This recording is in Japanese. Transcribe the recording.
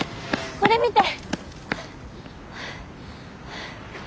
これ見て！